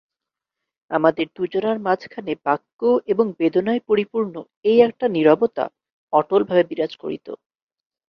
আমাদের দুজনার মাঝখানে বাক্য এবং বেদনায় পরিপূর্ণ এই একটা নীরবতা অটলভাবে বিরাজ করিত।